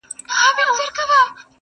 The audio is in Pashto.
د امیدونو ساحل،